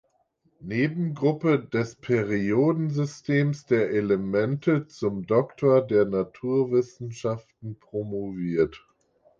Nebengruppe des Periodensystems der Elemente" zum Doktor der Naturwissenschaften promoviert.